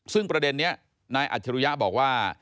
ซึ่งประเด็นนี้นายอัจฉริยะบอกว่า